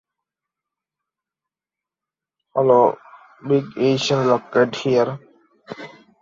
Anna Centenary Library, one of South East Asia's largest library is located here.